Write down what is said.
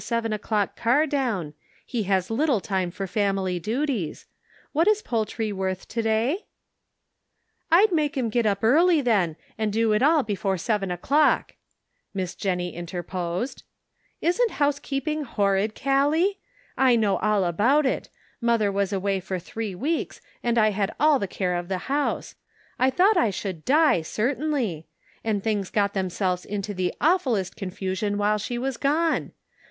33 seven o'clock car down ; he has little time for family duties. What is poultry worth to day ?" "I'd make him get up early, then, and do it all before seven o'clock," Miss Jennie inter posed. " Isn't housekeeping horrid, Gallic ? I know all about it ; mother was away for three weeks, and I had all the care of the house ; I thought I should die, certainly ; and things got themselves into the awfullest confusion while she was gone